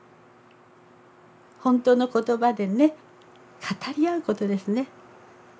本当の言葉でね語り合うことですね。